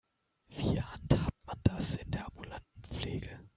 Wie handhabt man das in der ambulanten Pflege?